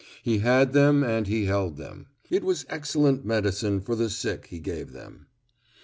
He had them and he held them. It was excellent medicine for the sick he gave them.